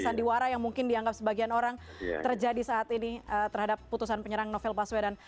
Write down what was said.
sandiwara yang mungkin dianggap sebagian orang terjadi saat ini terhadap putusan penyerang novel baswedan